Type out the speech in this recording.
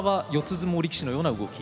相撲力士のような動き？